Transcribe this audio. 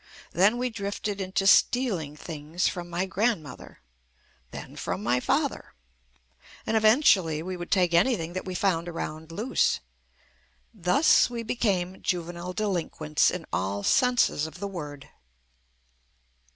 Then we drifted into stealing things from my grandmother; then from my father; and eventually we would take anything that we found around loose. Thus we became juvenile delinquents in all senses of the word.